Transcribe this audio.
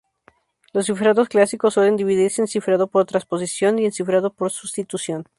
Los cifrados clásicos suelen dividirse en "cifrado por transposición" y en "cifrado por sustitución".